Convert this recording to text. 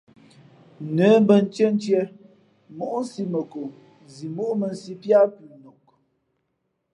Nə̌ mbᾱ ntíéntīē móʼ nsī mα ko zimóʼ mᾱ nsí píá pʉnok.